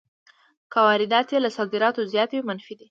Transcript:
که واردات یې له صادراتو زیات وي منفي ده